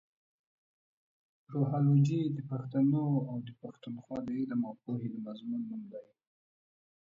روهالوجي د پښتنو اٶ د پښتونخوا د علم اٶ پوهې د مضمون نوم دې.